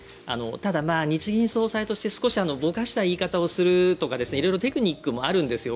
ただ、日銀総裁として少しぼかした言い方をするとか色々テクニックもあるんですよ。